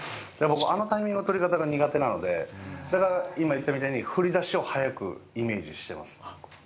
あのタイミングの取り方が苦手なので、今言ったみたいに振りだしを速くイメージしてます。